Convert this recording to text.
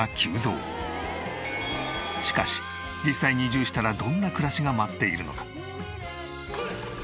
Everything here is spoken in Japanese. しかし実際に移住したらどんな暮らしが待っているのか？